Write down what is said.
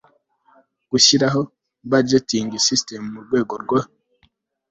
Gushyiraho budgeting system mu rwego rwo